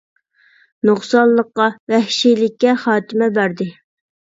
نۇقسانلىققا، ۋەھشىيلىككە خاتىمە بەردى.